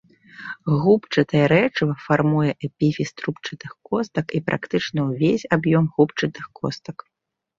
Губчатае рэчыва фармуе эпіфіз трубчастых костак і практычна ўвесь аб'ём губчатых костак.